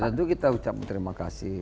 tentu kita ucapkan terima kasih